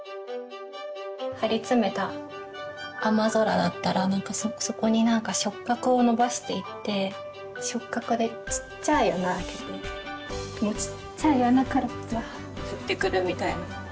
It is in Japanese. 張り詰めた雨空だったらそこに何か触角を伸ばしていって触角でちっちゃい穴あけてちっちゃい穴からザーッて降ってくるみたいな。